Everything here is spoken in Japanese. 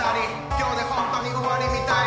今日でほんとに終わりみたい